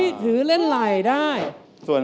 เธอแชร์ฝันมาเนื้อ